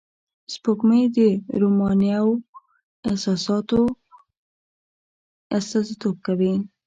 سپوږمۍ د رومانوی احساساتو استازیتوب کوي